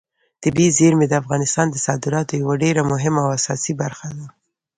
طبیعي زیرمې د افغانستان د صادراتو یوه ډېره مهمه او اساسي برخه ده.